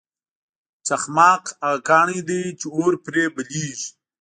چخماق هغه کاڼی دی چې اور پرې بلیږي.